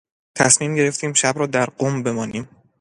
تصمیم گرفتیم شب را در قم بمانیم.